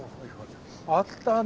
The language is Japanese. あったね